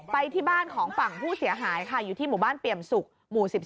ไปที่บ้านของฝั่งผู้เสียหายค่ะอยู่ที่หมู่บ้านเปี่ยมสุกหมู่๑๒